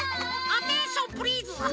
アテンションプリーズは？